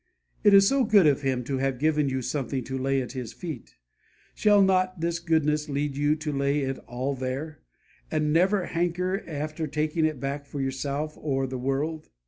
It is so good of Him to have given you something to lay at His feet; shall not this goodness lead you to lay it all there, and never hanker after taking it back for yourself or the world?